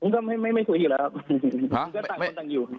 ก็ไม่คุยอยู่แล้วครับก็ต่างคนต่างอยู่